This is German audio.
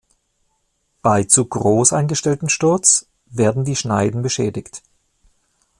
Bei zu groß eingestelltem Sturz werden die Schneiden beschädigt.